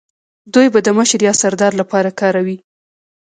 دوی به د مشر یا سردار لپاره کاروی